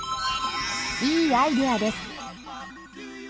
いいアイデアです。